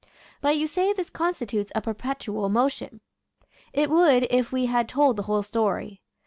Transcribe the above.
• But you say this constitutes a perpetual mo tion. It would if we had told the whole story.